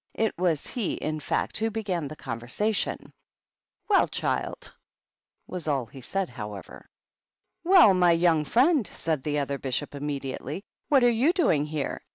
It was he, in fact, who began the conversation. "Well, child!" was all he said, however. "Well, my young friend," said the other Bishop immediately, "what are you doing here?